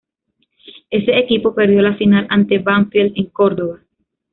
Ese equipo perdió la final ante Banfield en Córdoba.